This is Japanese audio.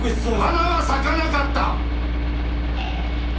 花は咲かなかった！